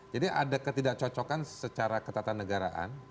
jadi ada ketidak cocokan secara ketatanegaraan